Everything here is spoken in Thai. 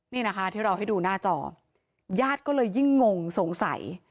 นี่นะคะที่เราให้ดูหน้าจอญาติก็เลยยิ่งงงสงสัย